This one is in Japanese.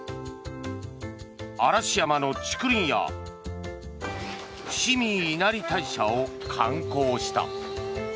嵐山の竹林や伏見稲荷大社を観光した。